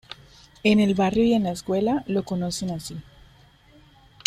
En el barrio y en la escuela lo conocen así.